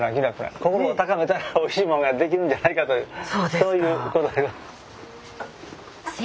心を高めたらおいしいもんができるんじゃないかとそういうことでございます。